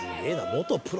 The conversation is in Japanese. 元プロ」